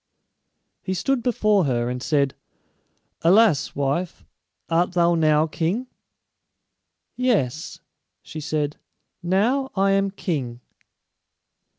He stood before her, and said, "Alas, wife, art thou now king?" "Yes," she said; "now I am king."